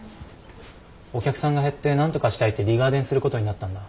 お客さんが減ってなんとかしたいってリガーデンすることになったんだ。